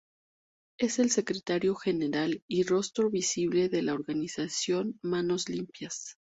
Es el secretario general y rostro visible de la organización Manos Limpias.